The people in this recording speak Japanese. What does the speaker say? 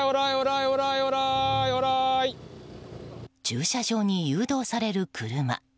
駐車場に誘導される車。